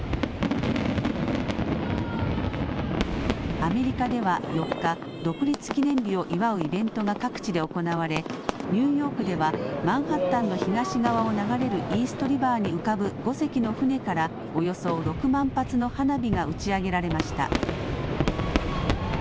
アメリカでは４日、独立記念日を祝うイベントが各地で行われニューヨークではマンハッタンの東側を流れるイーストリバーに浮かぶ５隻の船からおよそ６万発の花火が打ち上げられました。